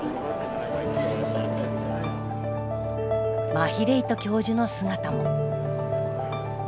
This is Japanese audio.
マヒレイト教授の姿も。